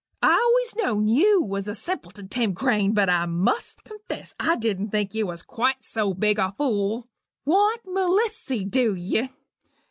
I always know'd you was a simpleton, Tim Crane, but I must confess I dident think you was quite so big a fool! Want Melissy, dew ye?